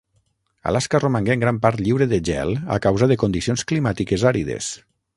Alaska romangué en gran part lliure de gel a causa de condicions climàtiques àrides.